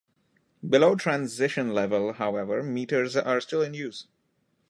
Below transition level, however, meters are still in use.